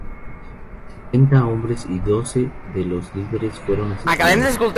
Setenta hombres y doce de los líderes fueron asesinados.